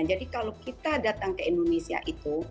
jadi kalau kita datang ke indonesia itu